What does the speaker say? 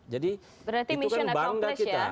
jadi itu kan bangga kita